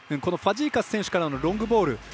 ファジーカス選手からのロングボール